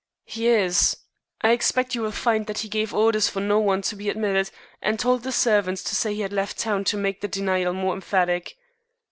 "He is. I expect you will find that he gave orders for no one to be admitted, and told the servants to say he had left town to make the denial more emphatic."